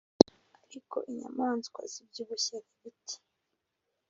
ariko inyamanswa zibyibushye nkibiti